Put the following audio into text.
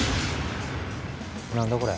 何だこれ？